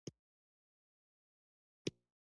احمد ستا خوله وخوندېده؛ هر ورځ راځې او مېوه وړې.